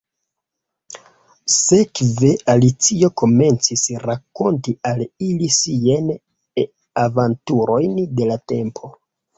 Sekve, Alicio komencis rakonti al ili siajn aventurojn de la tempo.